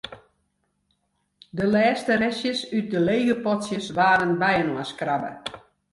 De lêste restjes út de lege potsjes waarden byinoarskrabbe.